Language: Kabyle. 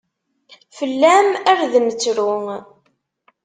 Fell-am ar d ad nettru.